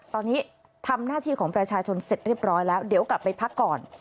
ตอนนี้ทำหน้าที่ของประชาชนเสร็จเรียบร้อยแล้วเดี๋ยวกลับไปพักก่อน